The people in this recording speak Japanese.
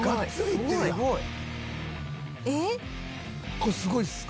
これすごいっすか？